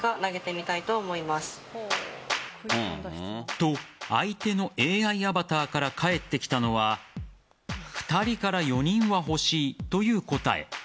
と、相手のＡＩアバターから返ってきたのは２人から４人は欲しいという答え。